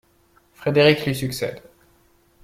Frédéric lui succède.